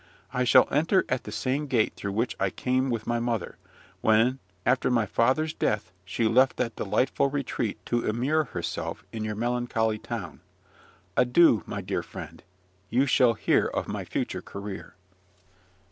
I shall enter at the same gate through which I came with my mother, when, after my father's death, she left that delightful retreat to immure herself in your melancholy town. Adieu, my dear friend: you shall hear of my future career.